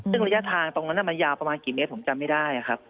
ซึ่งระยะทางตรงนั้นมันยาวประมาณกี่เมตรผมจำไม่ได้ครับ